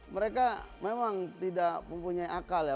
mereka memang tidak mempunyai akal ya